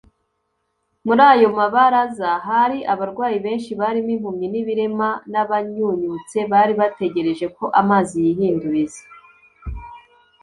. Muri ayo mabaraza hari abarwayi benshi, barimo impumyi n’ibirema, n’abanyunyutse bari bategereje ko amazi yihinduriza”